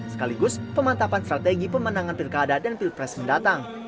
sekaligus pemantapan strategi pemenangan pilkada dan pilpres mendatang